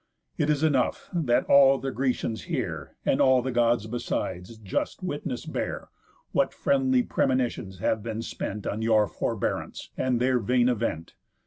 It is enough, that all the Grecians here, And all the Gods besides, just witness bear, What friendly premonitions have been spent On your forbearance, and their vain event.